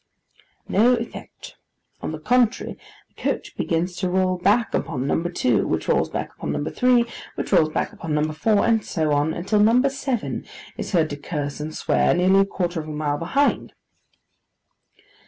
No effect. On the contrary, the coach begins to roll back upon No. 2, which rolls back upon No. 3, which rolls back upon No. 4, and so on, until No. 7 is heard to curse and swear, nearly a quarter of a mile behind.